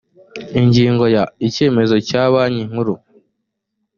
ingingo ya…: icyemezo cya banki nkuru